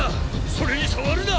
それに触るな！